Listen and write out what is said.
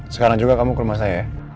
sekarang juga kamu ke rumah saya